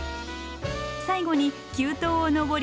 最後に急登を登り稜線へ。